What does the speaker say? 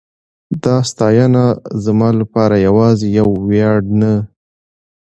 دا ستاینه زما لپاره یواځې یو ویاړ نه